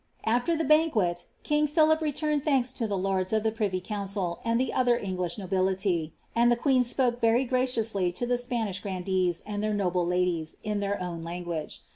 After the banquet, king Philip returned thanks to the lords of the privy council and the other English nobility; and the queen spoke very graciously to the Spanish grandees and their noble ladies, in their own language.